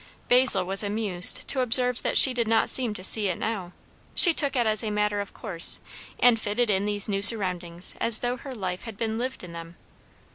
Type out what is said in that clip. Basil was amused to observe that she did not seem to see it now; she took it as a matter of course, and fitted in these new surroundings as though her life had been lived in them.